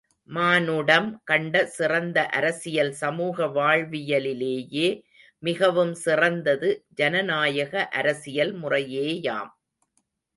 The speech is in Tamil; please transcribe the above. மானுடம் கண்ட சிறந்த அரசியல் சமூக வாழ்வியலிலேயே மிகவும் சிறந்தது ஜனநாயக அரசியல் முறையேயாம்.